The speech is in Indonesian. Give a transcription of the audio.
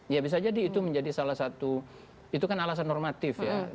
ya bisa jadi itu menjadi salah satu itu kan alasan normatif ya